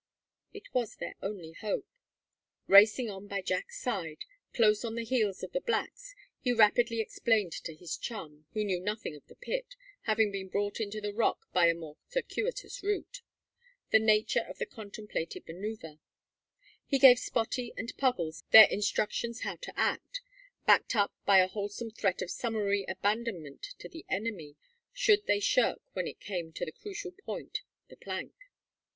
It was their only hope. Racing on by Jack's side, close on the heels of the blacks, he rapidly explained to his chum who knew nothing of the pit, having been brought into the rock by a more circuitous route the nature of the contemplated manoeuvre; and gave Spottie and Puggles their instructions how to act, backed up by a wholesome threat of summary abandonment to the enemy should they shirk when it came to the crucial point, the plank.